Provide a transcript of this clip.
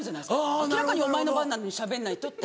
明らかにお前の番なのにしゃべんないとって。